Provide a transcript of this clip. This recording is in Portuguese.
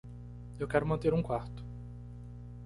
Eu quero manter um quarto.